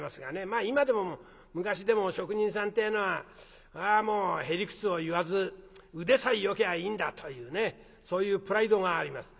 まあ今でも昔でも職人さんってえのはもうへ理屈を言わず腕さえよきゃいいんだというねそういうプライドがあります。